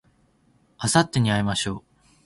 あさってに会いましょう